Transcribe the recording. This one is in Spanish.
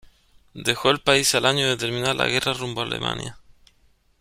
Dejó el país al año de terminar la guerra rumbo a Alemania.